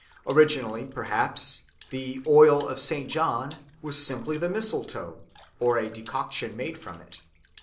Originally, perhaps, the "oil of St. John" was simply the mistletoe, or a decoction made from it.